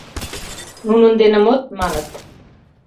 Нунын дене мод, — маныт.